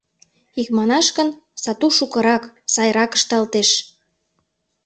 Икманаш гын, сату шукырак, сайрак ышталтеш.